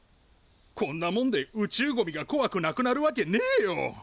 こんなもんで宇宙ゴミがこわくなくなるわけねえよ。